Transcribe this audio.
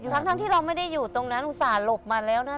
ทั้งที่เราไม่ได้อยู่ตรงนั้นอุตส่าหลบมาแล้วนะ